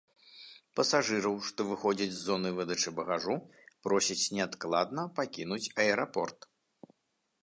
Пасажыраў, што выходзяць з зоны выдачы багажу, просяць неадкладна пакінуць аэрапорт.